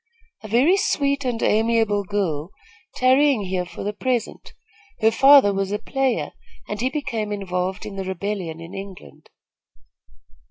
"A very sweet and amiable girl tarrying here for the present. Her father was a player, and he became involved in the rebellion in England."